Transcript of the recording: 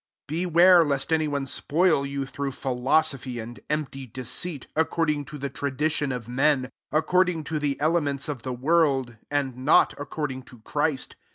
8 Beware lest any one spoil you through philosophy and empty deceit, according to the tradition of men, according to the elements of the world, and not according to Christ.